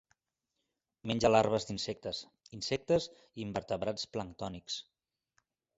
Menja larves d'insectes, insectes i invertebrats planctònics.